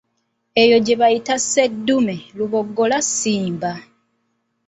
Eyo gye bayita sseddume luboggola Ssimba.